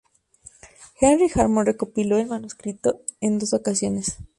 Henry Hammond recopiló el manuscrito en dos ocasiones.